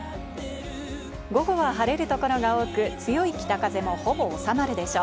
午後は晴れる所が多く、強い北風もほぼ収まるでしょう。